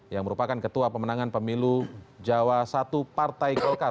yang merupakan ketua pemenangan pemilu jawa i partai golkar